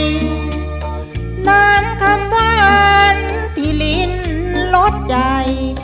น้ำคำวันที่ลิ้นลดใจ